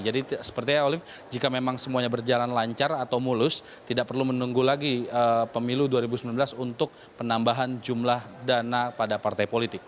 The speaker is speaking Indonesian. jadi seperti ya olive jika memang semuanya berjalan lancar atau mulus tidak perlu menunggu lagi pemilu dua ribu sembilan belas untuk penambahan jumlah dana pada partai politik